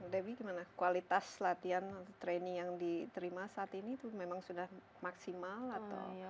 debbie gimana kualitas latihan atau training yang diterima saat ini itu memang sudah maksimal atau